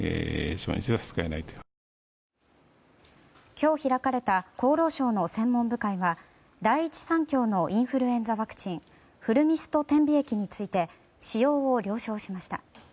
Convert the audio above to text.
今日開かれた厚労省の専門部会は第一三共のインフルエンザワクチンフルミスト点鼻液について使用を了承しました。